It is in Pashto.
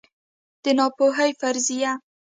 د ناپوهۍ فرضیه